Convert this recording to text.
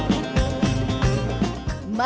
masjid baitur rahman